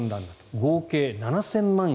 合計７０００万円